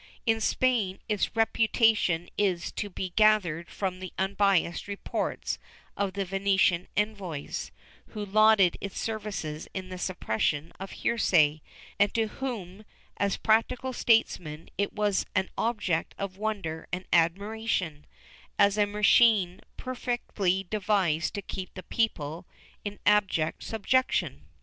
^ In Spain, its reputation is to be gathered from the unbiased reports of the Venetian envoys, who lauded its services in the suppression of heresy, and to whom, as practical statesmen, it was an object of wonder and admiration, as a machine perfectly devised to keep the people in abject sub jection.